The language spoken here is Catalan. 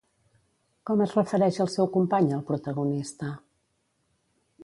Com es refereix al seu company el protagonista?